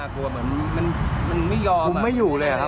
คุมไม่อยู่เลยหรอครับ